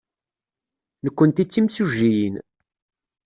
Nekkenti d timsujjiyin.